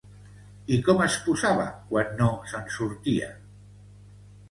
I com es posava quan no se'n sortia?